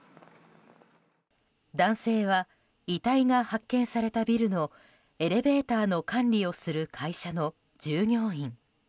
男性は、遺体が発見されたビルのエレベーターの管理をする会社の従業員。